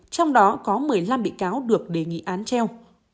trong đó có một mươi năm bị cáo được đề nghị án treo